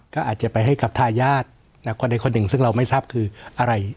ก็อาจจะไปให้กับทายาทคนใดคนหนึ่งซึ่งเราไม่ทราบคืออะไร